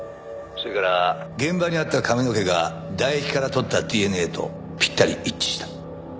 それから現場にあった髪の毛が唾液から取ったＤＮＡとぴったり一致した。